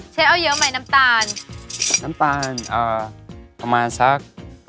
เชฟเอาเยอะไหมน้ำตาลน้ำตาลอ่าประมาณสัก